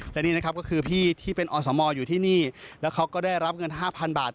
และนี่นะครับก็คือพี่ที่เป็นอสมอยู่ที่นี่แล้วเขาก็ได้รับเงิน๕๐๐บาท